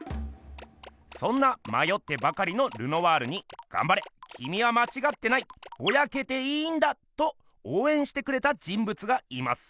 そんなまよってばかりのルノワールに「がんばれきみはまちがってないボヤけていいんだ」とおうえんしてくれた人物がいます。